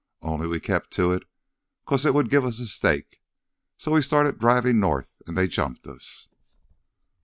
Only we kept to it, 'cause it would give us a stake. So we started drivin' north, an' they jumped us."